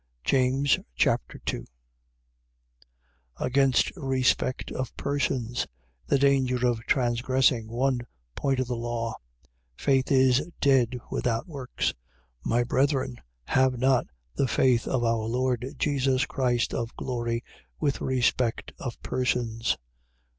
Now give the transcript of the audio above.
James Chapter 2 Against respect of persons. The danger of transgressing one point of the law. Faith is dead without works. 2:1. My brethren, have not the faith of our Lord Jesus Christ of glory, with respect of persons.